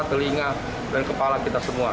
telinga dan kepala kita semua